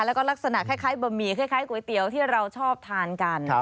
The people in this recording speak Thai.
แล้วก็ลักษณะคล้ายบะหมี่คล้ายก๋วยเตี๋ยวที่เราชอบทานกัน